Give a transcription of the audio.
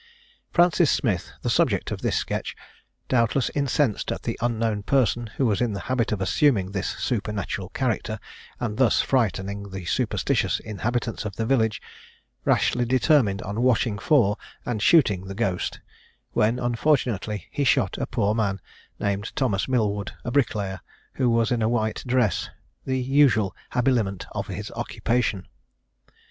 Francis Smith, the subject of this sketch, doubtless incensed at the unknown person who was in the habit of assuming this supernatural character, and thus frightening the superstitious inhabitants of the village, rashly determined on watching for, and shooting the ghost; when unfortunately he shot a poor man, named Thomas Milwood, a bricklayer, who was in a white dress, the usual habiliment of his occupation.